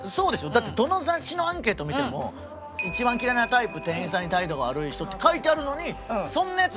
だってどの雑誌のアンケート見ても「一番嫌いなタイプ店員さんに態度が悪い人」って書いてあるのにそんなヤツ